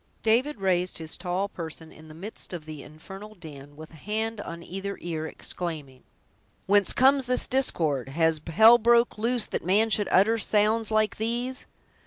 David raised his tall person in the midst of the infernal din, with a hand on either ear, exclaiming: "Whence comes this discord! Has hell broke loose, that man should utter sounds like these!"